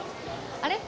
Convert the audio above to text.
あれ？